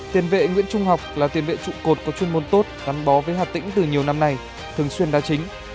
tiền vệ nguyễn trung học là tiền vệ trụ cột có chuyên môn tốt gắn bó với hà tĩnh từ nhiều năm nay thường xuyên đa chính